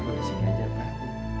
aku di sini aja pak